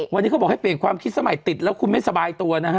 วันนี้เขาบอกให้เปลี่ยนความคิดสมัยติดแล้วคุณไม่สบายตัวนะฮะ